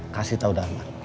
kasih tahu darman